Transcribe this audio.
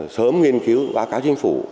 sớm nghiên cứu báo cáo chính phủ